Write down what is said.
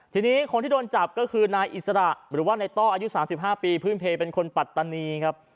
ทีนี้คนที่โดนจับก็คือนายอิสระหรือว่าในต้ออายุ๓๕ปีพื้นเพลเป็นคนปัตตานีครับ